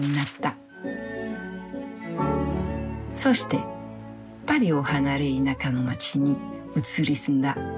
そしてパリを離れ田舎の街に移り住んだ。